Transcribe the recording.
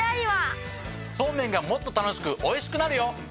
そうめんがもっと楽しくおいしくなるよ！